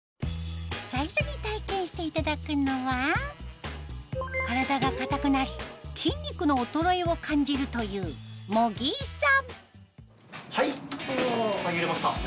最初に体験していただくのは体が硬くなり筋肉の衰えを感じるというはいさぁ揺れました。